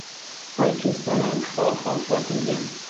ئای کوێستانان خاڵ خاڵ فاتم گیان